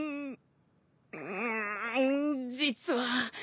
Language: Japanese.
うん実は。